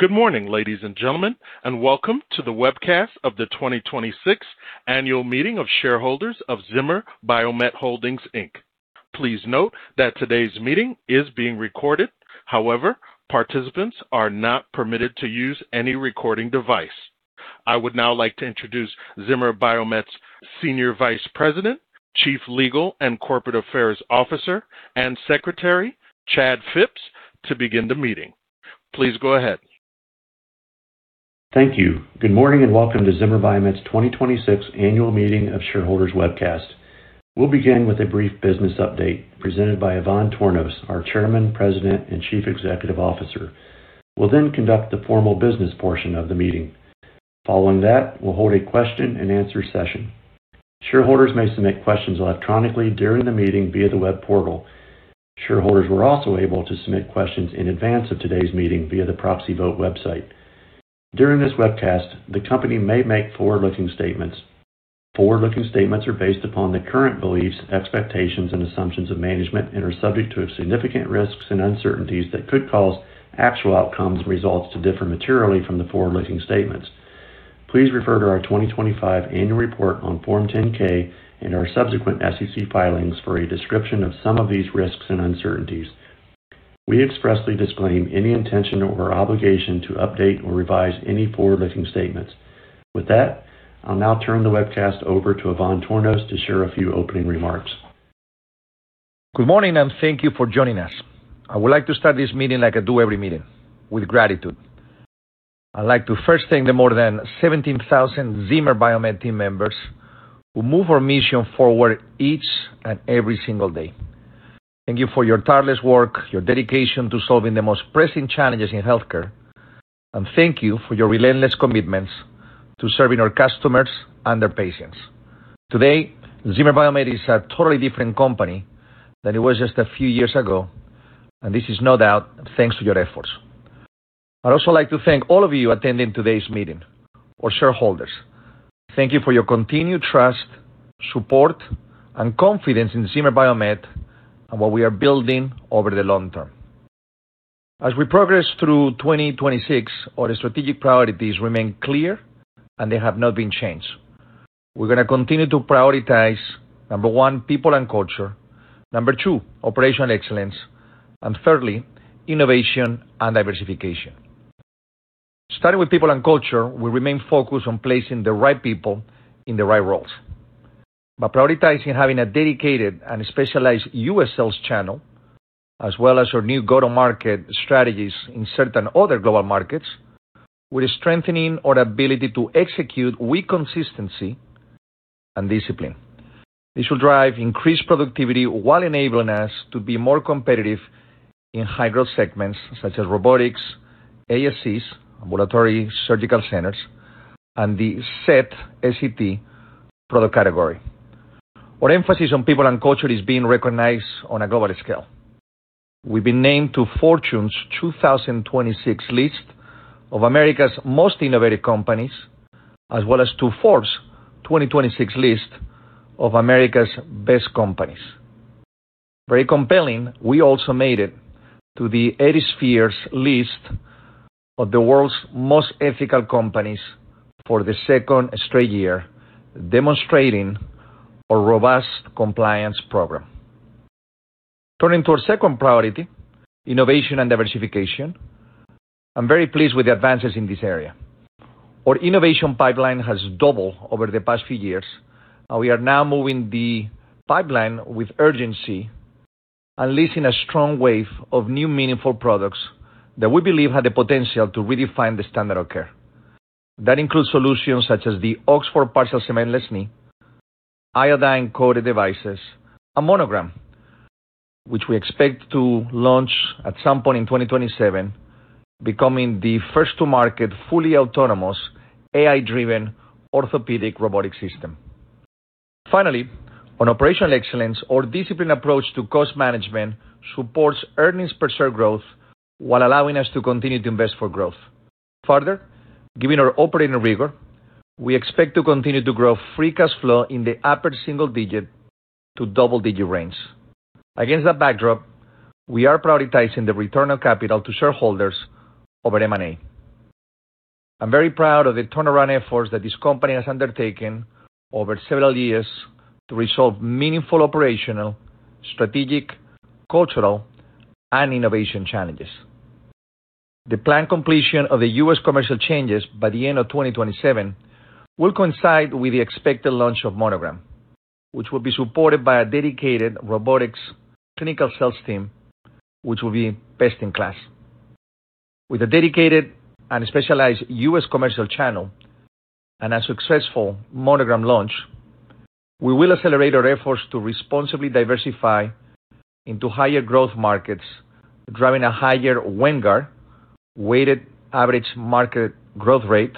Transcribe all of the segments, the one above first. Good morning, ladies and gentlemen, and welcome to the webcast of the 2026 Annual Meeting of Shareholders of Zimmer Biomet Holdings, Inc.. Please note that today's meeting is being recorded. However, participants are not permitted to use any recording device. I would now like to introduce Zimmer Biomet's Senior Vice President, Chief Legal and Corporate Affairs Officer, and Secretary, Chad Phipps, to begin the meeting. Please go ahead. Thank you. Good morning and welcome to Zimmer Biomet's 2026 Annual Meeting of Shareholders webcast. We'll begin with a brief business update presented by Ivan Tornos, our Chairman, President, and Chief Executive Officer. We'll then conduct the formal business portion of the meeting. Following that, we'll hold a question and answer session. Shareholders may submit questions electronically during the meeting via the web portal. Shareholders were also able to submit questions in advance of today's meeting via the proxy vote website. During this webcast, the company may make forward-looking statements. Forward-looking statements are based upon the current beliefs, expectations, and assumptions of management and are subject to significant risks and uncertainties that could cause actual outcomes and results to differ materially from the forward-looking statements. Please refer to our 2025 annual report on Form 10-K and our subsequent SEC filings for a description of some of these risks and uncertainties. We expressly disclaim any intention or obligation to update or revise any forward-looking statements. With that, I'll now turn the webcast over to Ivan Tornos to share a few opening remarks. Good morning, and thank you for joining us. I would like to start this meeting like I do every meeting, with gratitude. I'd like to first thank the more than 17,000 Zimmer Biomet team members who move our mission forward each and every single day. Thank you for your tireless work, your dedication to solving the most pressing challenges in healthcare, and thank you for your relentless commitments to serving our customers and their patients. Today, Zimmer Biomet is a totally different company than it was just a few years ago, and this is no doubt thanks to your efforts. I'd also like to thank all of you attending today's meeting, our shareholders. Thank you for your continued trust, support, and confidence in Zimmer Biomet and what we are building over the long term. As we progress through 2026, our strategic priorities remain clear, and they have not been changed. We're going to continue to prioritize, number one, people and culture. Number two, operational excellence. Thirdly, innovation and diversification. Starting with people and culture, we remain focused on placing the right people in the right roles. By prioritizing having a dedicated and specialized U.S. sales channel, as well as our new go-to-market strategies in certain other global markets, we're strengthening our ability to execute with consistency and discipline. This will drive increased productivity while enabling us to be more competitive in high-growth segments such as robotics, ASCs, ambulatory surgical centers, and the S.E.T, S-E-T, product category. Our emphasis on people and culture is being recognized on a global scale. We've been named to Fortune's 2026 list of America's Most Innovative Companies, as well as to Forbes' 2026 list of America's Best Companies. Very compelling, we also made it to the Ethisphere's list of the World's Most Ethical Companies for the second straight year, demonstrating our robust compliance program. Turning to our second priority, innovation and diversification, I'm very pleased with the advances in this area. Our innovation pipeline has doubled over the past few years, we are now moving the pipeline with urgency, unleashing a strong wave of new meaningful products that we believe have the potential to redefine the standard of care. That includes solutions such as the Oxford Partial Cementless Knee, iodine-coated devices, and Monogram, which we expect to launch at some point in 2027, becoming the first to market fully autonomous AI-driven orthopedic robotic system. Finally, on operational excellence, our disciplined approach to cost management supports earnings per share growth while allowing us to continue to invest for growth. Further, given our operating rigor, we expect to continue to grow free cash flow in the upper single-digit to double-digit range. Against that backdrop, we are prioritizing the return of capital to shareholders over M&A. I'm very proud of the turnaround efforts that this company has undertaken over several years to resolve meaningful operational, strategic, cultural, and innovation challenges. The planned completion of the U.S. commercial changes by the end of 2027 will coincide with the expected launch of Monogram, which will be supported by a dedicated robotics clinical sales team, which will be best in class. With a dedicated and specialized U.S. commercial channel and a successful Monogram launch, we will accelerate our efforts to responsibly diversify into higher growth markets, driving a higher WAMGR, Weighted Average Market Growth Rate,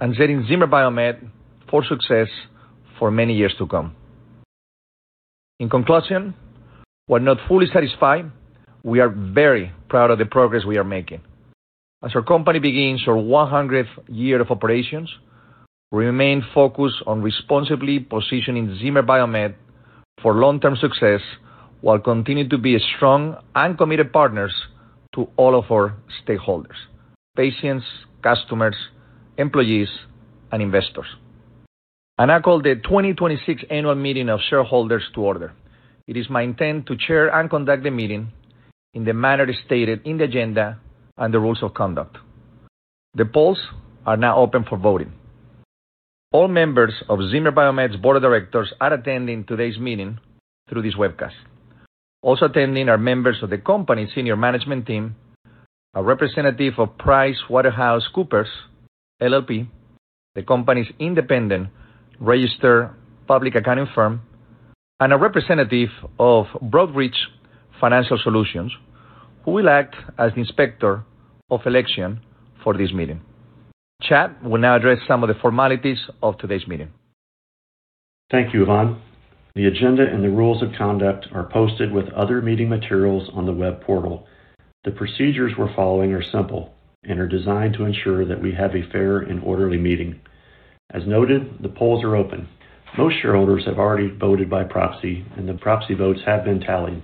and setting Zimmer Biomet for success for many years to come. In conclusion, while not fully satisfied, we are very proud of the progress we are making. As our company begins our 100th year of operations. We remain focused on responsibly positioning Zimmer Biomet for long-term success while continuing to be strong and committed partners to all of our stakeholders, patients, customers, employees, and investors. I now call the 2026 Annual Meeting of Shareholders to order. It is my intent to chair and conduct the meeting in the manner stated in the agenda and the rules of conduct. The polls are now open for voting. All members of Zimmer Biomet's board of directors are attending today's meeting through this webcast. Also attending are members of the company senior management team, a representative of PricewaterhouseCoopers, LLP, the company's independent registered public accounting firm, and a representative of Broadridge Financial Solutions, who will act as inspector of election for this meeting. Chad will now address some of the formalities of today's meeting. Thank you, Ivan. The agenda and the rules of conduct are posted with other meeting materials on the web portal. The procedures we're following are simple and are designed to ensure that we have a fair and orderly meeting. As noted, the polls are open. Most shareholders have already voted by proxy, and the proxy votes have been tallied.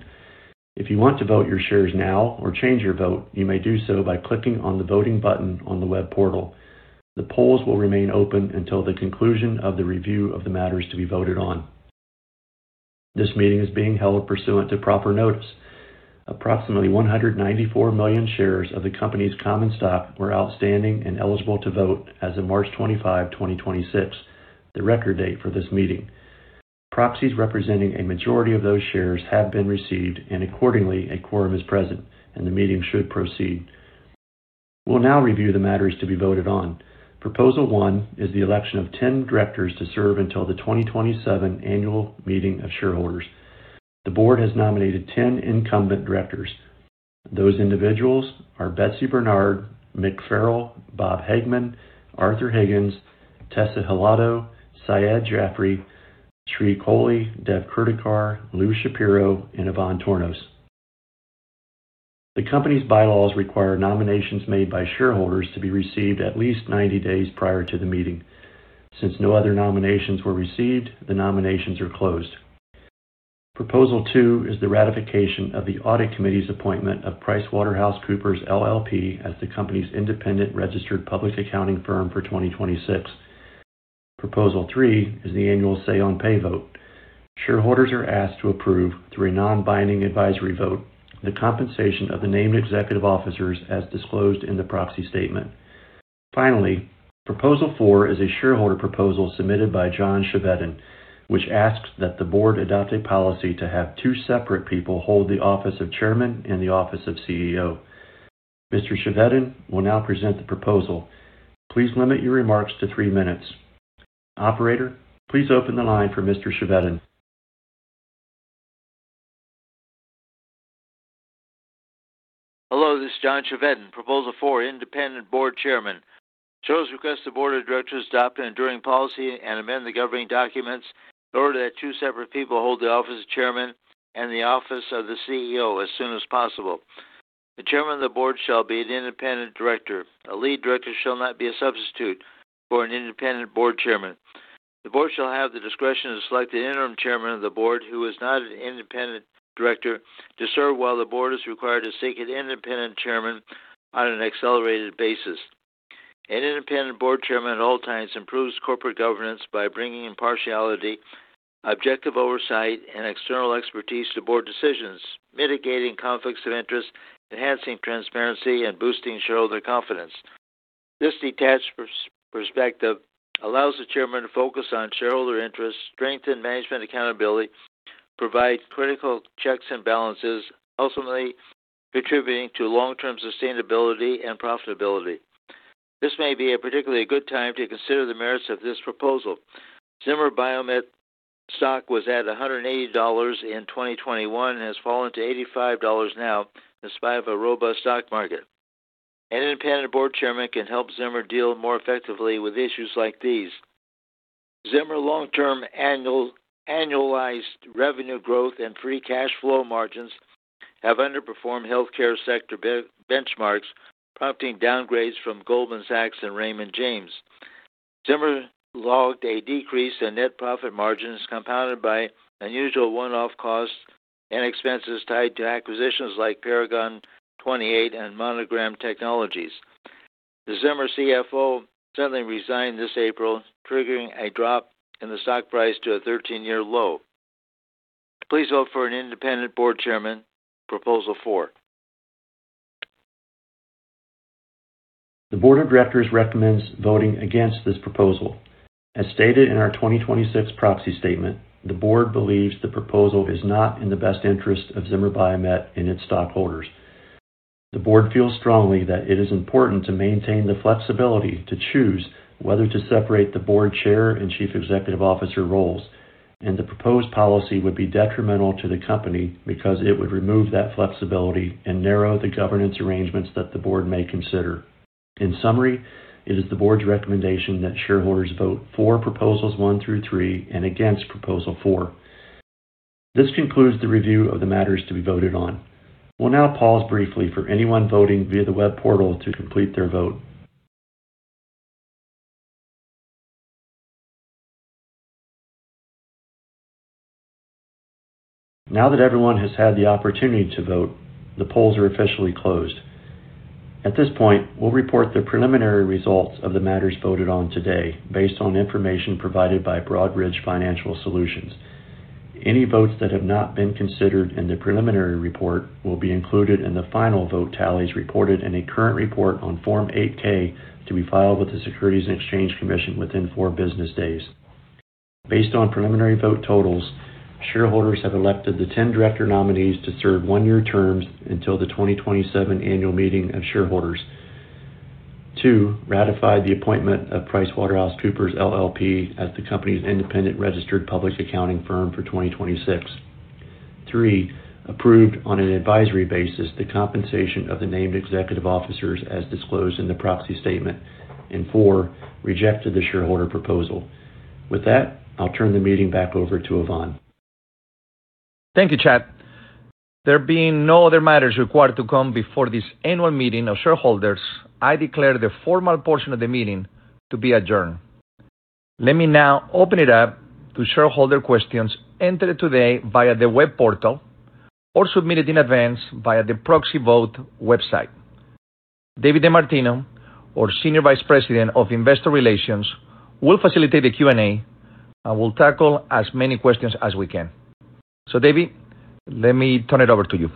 If you want to vote your shares now or change your vote, you may do so by clicking on the voting button on the web portal. The polls will remain open until the conclusion of the review of the matters to be voted on. This meeting is being held pursuant to proper notice. Approximately 194 million shares of the company's common stock were outstanding and eligible to vote as of March 25, 2026, the record date for this meeting. Proxies representing a majority of those shares have been received, and accordingly, a quorum is present, and the meeting should proceed. We'll now review the matters to be voted on. Proposal One is the election of 10 directors to serve until the 2027 Annual Meeting of Shareholders. The board has nominated 10 incumbent directors. Those individuals are Betsy Bernard, Michael Farrell, Robert Hagemann, Arthur Higgins, Teresa Hilado, Syed Jafry, Sreelakshmi Kolli, Devdatt Kurdikar, Louis Shapiro, and Ivan Tornos. The company's bylaws require nominations made by shareholders to be received at least 90 days prior to the meeting. Since no other nominations were received, the nominations are closed. Proposal Two is the ratification of the audit committee's appointment of PricewaterhouseCoopers, LLP as the company's independent registered public accounting firm for 2026. Proposal Three is the annual Say-on-Pay vote. Shareholders are asked to approve through a non-binding advisory vote the compensation of the named executive officers as disclosed in the proxy statement. Finally, Proposal Four is a shareholder proposal submitted by John Chevedden, which asks that the board adopt a policy to have two separate people hold the office of Chairman and the office of CEO. Mr. Chevedden will now present the proposal. Please limit your remarks to three minutes. Operator, please open the line for Mr. Chevedden. Hello, this is John Chevedden. Proposal Four, independent board chairman. Shares request the board of directors adopt an enduring policy and amend the governing documents in order that two separate people hold the office of chairman and the office of the CEO as soon as possible. The chairman of the board shall be an independent director. A lead director shall not be a substitute for an independent board chairman. The board shall have the discretion to select an interim chairman of the board who is not an independent director to serve while the board is required to seek an independent chairman on an accelerated basis. An independent board chairman at all times improves corporate governance by bringing impartiality, objective oversight, and external expertise to board decisions, mitigating conflicts of interest, enhancing transparency, and boosting shareholder confidence. This detached perspective allows the chairman to focus on shareholder interests, strengthen management accountability, provide critical checks and balances, ultimately contributing to long-term sustainability and profitability. This may be a particularly good time to consider the merits of this proposal. Zimmer Biomet stock was at $180 in 2021 and has fallen to $85 now in spite of a robust stock market. An independent board chairman can help Zimmer deal more effectively with issues like these. Zimmer long-term annualized revenue growth and free cash flow margins have underperformed healthcare sector benchmarks, prompting downgrades from Goldman Sachs and Raymond James. Zimmer logged a decrease in net profit margins compounded by unusual one-off costs and expenses tied to acquisitions like Paragon 28 and Monogram Technologies. The Zimmer CFO suddenly resigned this April, triggering a drop in the stock price to a 13-year low. Please vote for an independent board chairman, Proposal Four. The board of directors recommends voting against this proposal. As stated in our 2026 proxy statement, the board believes the proposal is not in the best interest of Zimmer Biomet and its stockholders. The board feels strongly that it is important to maintain the flexibility to choose whether to separate the board chair and chief executive officer roles, and the proposed policy would be detrimental to the company because it would remove that flexibility and narrow the governance arrangements that the board may consider. In summary, it is the board's recommendation that shareholders vote for Proposals One through Three and against Proposal Four. This concludes the review of the matters to be voted on. We'll now pause briefly for anyone voting via the web portal to complete their vote. Now that everyone has had the opportunity to vote, the polls are officially closed. At this point, we'll report the preliminary results of the matters voted on today based on information provided by Broadridge Financial Solutions. Any votes that have not been considered in the preliminary report will be included in the final vote tallies reported in a current report on Form 8-K to be filed with the Securities and Exchange Commission within four business days. Based on preliminary vote totals, shareholders have elected the 10 director nominees to serve one-year terms until the 2027 Annual Meeting of Shareholders. Two, ratify the appointment of PricewaterhouseCoopers, LLP as the company's independent registered public accounting firm for 2026. Three, approved on an advisory basis the compensation of the named executive officers as disclosed in the proxy statement. Four, rejected the shareholder proposal. With that, I'll turn the meeting back over to Ivan. Thank you, Chad. There being no other matters required to come before this annual meeting of shareholders, I declare the formal portion of the meeting to be adjourned. Let me now open it up to shareholder questions entered today via the web portal or submitted in advance via the proxy vote website. David DeMartino, our Senior Vice President of Investor Relations, will facilitate the Q&A and will tackle as many questions as we can. David, let me turn it over to you.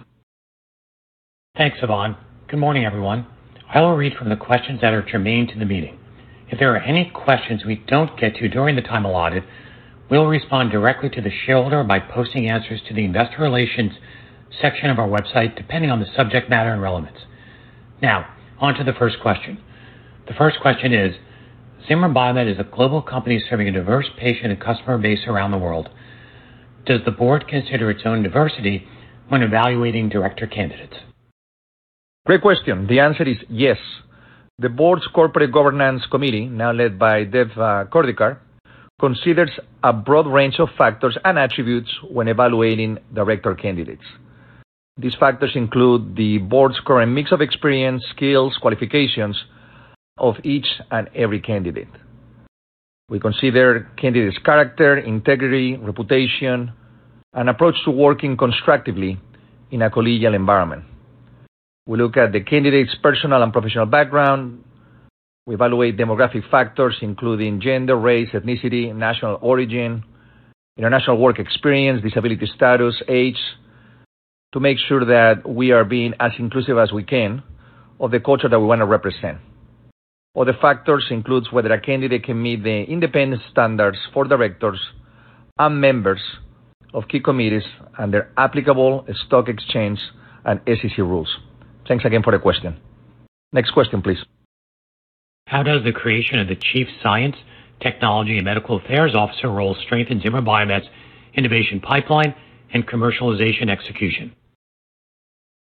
Thanks, Ivan. Good morning, everyone. I will read from the questions that are germane to the meeting. If there are any questions we don't get to during the time allotted, we'll respond directly to the shareholder by posting answers to the Investor Relations section of our website, depending on the subject matter and relevance. On to the first question. The first question is, Zimmer Biomet is a global company serving a diverse patient and customer base around the world. Does the Board consider its own diversity when evaluating Director candidates? Great question. The answer is yes. The board's Corporate Governance Committee, now led by Devdatt Kurdikar, considers a broad range of factors and attributes when evaluating director candidates. These factors include the board's current mix of experience, skills, qualifications of each and every candidate. We consider candidates' character, integrity, reputation, and approach to working constructively in a collegial environment. We look at the candidate's personal and professional background. We evaluate demographic factors, including gender, race, ethnicity, national origin, international work experience, disability status, age, to make sure that we are being as inclusive as we can of the culture that we want to represent. Other factors includes whether a candidate can meet the independent standards for directors and members of key committees under applicable stock exchange and SEC rules. Thanks again for the question. Next question, please. How does the creation of the Chief Science, Technology, and Medical Affairs Officer role strengthen Zimmer Biomet's innovation pipeline and commercialization execution?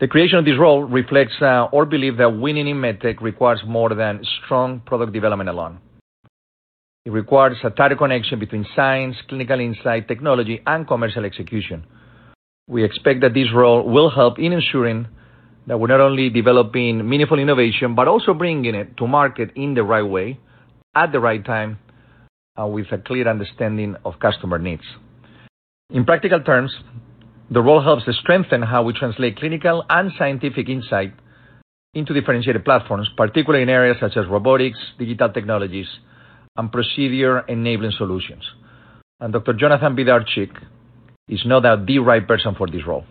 The creation of this role reflects our belief that winning in med tech requires more than strong product development alone. It requires a tighter connection between science, clinical insight, technology, and commercial execution. We expect that this role will help in ensuring that we're not only developing meaningful innovation, but also bringing it to market in the right way, at the right time, and with a clear understanding of customer needs. In practical terms, the role helps strengthen how we translate clinical and scientific insight into differentiated platforms, particularly in areas such as robotics, digital technologies, and procedure-enabling solutions. Dr. Jonathan Vigdorchik is now the right person for this role.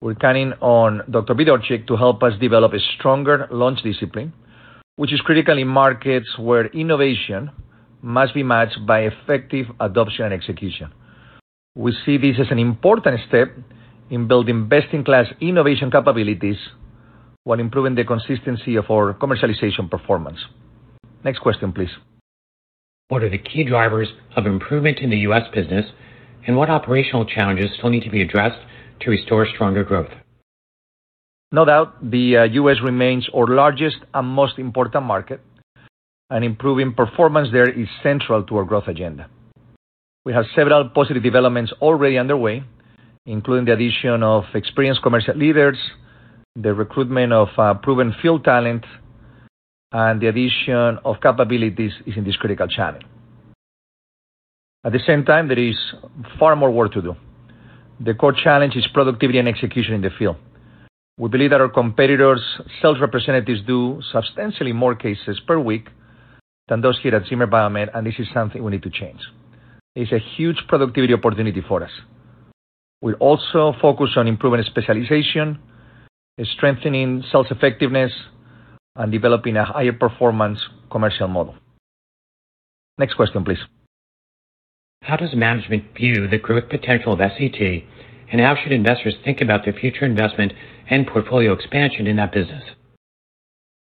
We're counting on Dr. Vigdorchik to help us develop a stronger launch discipline, which is critical in markets where innovation must be matched by effective adoption and execution. We see this as an important step in building best-in-class innovation capabilities while improving the consistency of our commercialization performance. Next question, please. What are the key drivers of improvement in the U.S. business, and what operational challenges still need to be addressed to restore stronger growth? No doubt, the U.S. remains our largest and most important market, and improving performance there is central to our growth agenda. We have several positive developments already underway, including the addition of experienced commercial leaders, the recruitment of proven field talent, and the addition of capabilities in this critical channel. At the same time, there is far more work to do. The core challenge is productivity and execution in the field. We believe that our competitors' sales representatives do substantially more cases per week than those here at Zimmer Biomet, and this is something we need to change. It's a huge productivity opportunity for us. We also focus on improving specialization, strengthening sales effectiveness, and developing a higher performance commercial model. Next question, please. How does management view the growth potential of S.E.T, and how should investors think about their future investment and portfolio expansion in that business?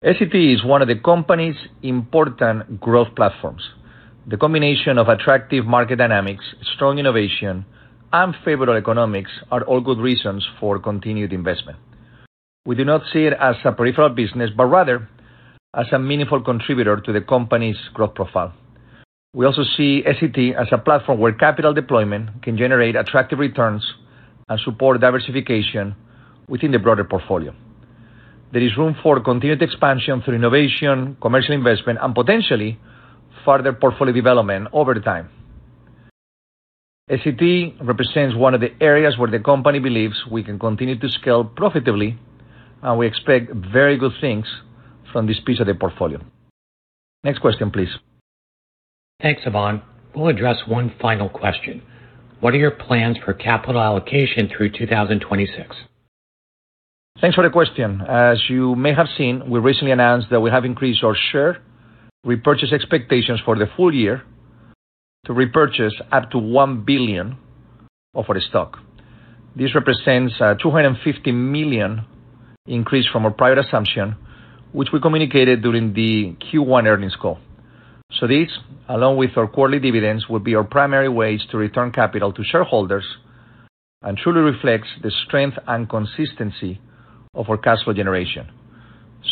S.E.T is one of the company's important growth platforms. The combination of attractive market dynamics, strong innovation, and favorable economics are all good reasons for continued investment. We do not see it as a peripheral business, but rather as a meaningful contributor to the company's growth profile. We also see S.E.T as a platform where capital deployment can generate attractive returns and support diversification within the broader portfolio. There is room for continued expansion through innovation, commercial investment, and potentially further portfolio development over time. S.E.T represents one of the areas where the company believes we can continue to scale profitably, and we expect very good things from this piece of the portfolio. Next question, please. Thanks, Ivan. We'll address one final question. What are your plans for capital allocation through 2026? Thanks for the question. As you may have seen, we recently announced that we have increased our share repurchase expectations for the full year to repurchase up to $1 billion of our stock. This represents a $250 million increase from our prior assumption, which we communicated during the Q1 earnings call. This, along with our quarterly dividends, will be our primary ways to return capital to shareholders and truly reflects the strength and consistency of our cash flow generation.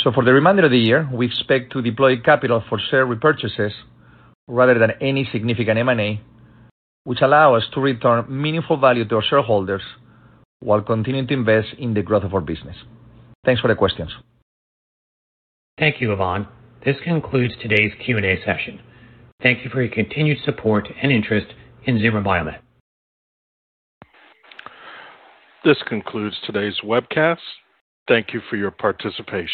For the remainder of the year, we expect to deploy capital for share repurchases rather than any significant M&A, which allow us to return meaningful value to our shareholders while continuing to invest in the growth of our business. Thanks for the questions. Thank you, Ivan. This concludes today's Q&A session. Thank you for your continued support and interest in Zimmer Biomet. This concludes today's webcast. Thank you for your participation.